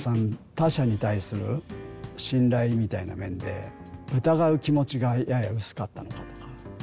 他者に対する信頼みたいな面で疑う気持ちがやや薄かったのかもな。